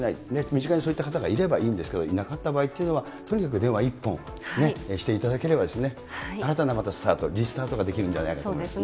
身近にそういった方がいればいいんですけど、いなかった場合っていうのは、とにかく電話１本していただければ新たなスタート、リスタートができるんじゃないかなと思います。